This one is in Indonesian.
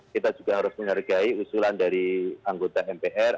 kita juga harus menghargai usulan dari anggota mpr